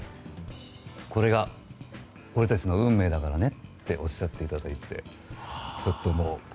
これが俺たちの運命だからねっておっしゃっていただいて。